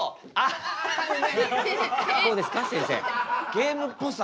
ゲームっぽさ。